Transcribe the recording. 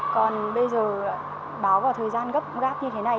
còn bây giờ báo vào thời gian gấp gác như thế này